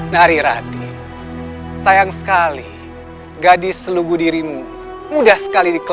narirati sayang sekali gadis selugu dirimu mudah sekali dikenal